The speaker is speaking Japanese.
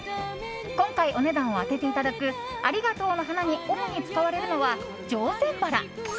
今回、お値段を当てていただくありがとうの花に主に使われるのは上撰バラ。